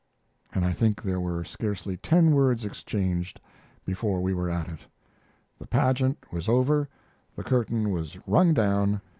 And I think there were scarcely ten words exchanged before we were at it. The pageant was over; the curtain was rung down.